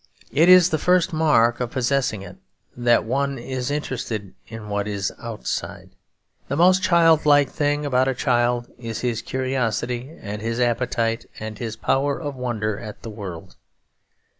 It is the first mark of possessing it that one is interested in what is outside. The most childlike thing about a child is his curiosity and his appetite and his power of wonder at the world.